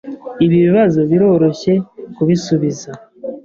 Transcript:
Ibi bibazo biroroshye kubisubiza.